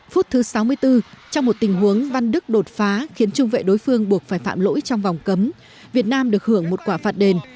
phút thứ sáu mươi bốn trong một tình huống văn đức đột phá khiến trung vệ đối phương buộc phải phạm lỗi trong vòng cấm việt nam được hưởng một quả phạt đền